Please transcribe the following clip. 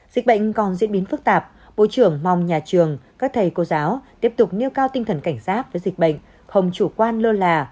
dịch bệnh còn diễn biến phức tạp bộ trưởng mong nhà trường các thầy cô giáo tiếp tục nêu cao tinh thần cảnh giác với dịch bệnh không chủ quan lơ là